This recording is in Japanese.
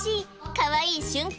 かわいい瞬間